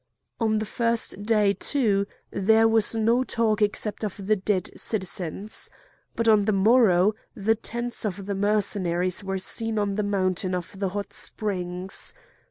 On the first day, too, there was no talk except of the dead citizens. But on the morrow the tents of the Mercenaries were seen on the mountain of the Hot Springs.